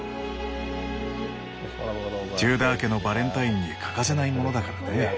テューダー家のバレンタインに欠かせないものだからね。